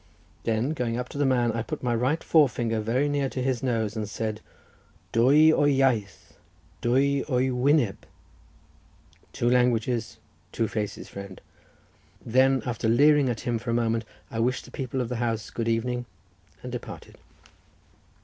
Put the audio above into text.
Then going up to the man, I put my right fore finger very near to his nose, and said, "Dwy o iaith dwy o wyneb; two languages, two faces, friend!" Then after leering at him for a moment, I wished the people of the house good evening, and departed.